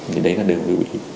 thì đấy là đường lưu ý